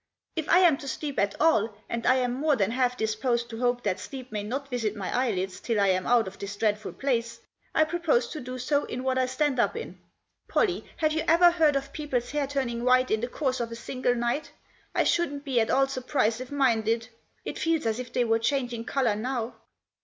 " If I am to sleep at all, and I am more than half disposed to hope that sleep may not visit my eyelids till I am out of this dreadful place, I propose to do so in what I stand up in. Pollie, have you ever heard of people's hair turning white in the course of a single night ? I shouldn't be at all surprised if mine did. It feels as if it were changing colour now."